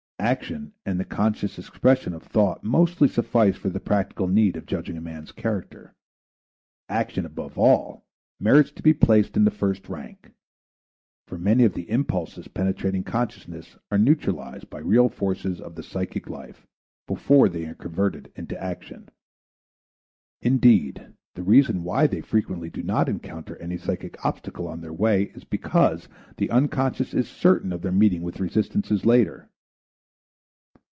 Action and the conscious expression of thought mostly suffice for the practical need of judging a man's character. Action, above all, merits to be placed in the first rank; for many of the impulses penetrating consciousness are neutralized by real forces of the psychic life before they are converted into action; indeed, the reason why they frequently do not encounter any psychic obstacle on their way is because the unconscious is certain of their meeting with resistances later.